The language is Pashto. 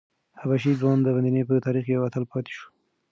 حبشي ځوان د مدینې په تاریخ کې یو اتل پاتې شو.